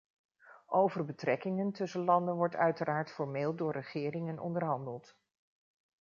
Over betrekkingen tussen landen wordt uiteraard formeel door regeringen onderhandeld.